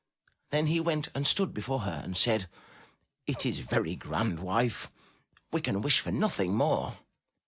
Then he went and stood before her and said: '*It is very grand, wife; we can wish for nothing more."